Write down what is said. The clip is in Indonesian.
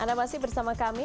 anda masih bersama kami